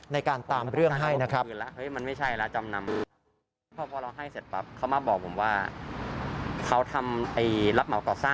ในการตามเรื่องให้นะครับ